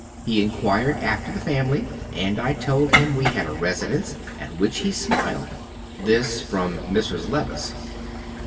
He inquired after the family, and I told him we had a residence, at which he smiled." This from Mrs. Levice.